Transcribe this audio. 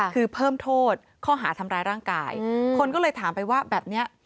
คือเพิ่มโทษข้อหาทำร้ายร่างกายคนก็เลยถามไปว่าแบบนี้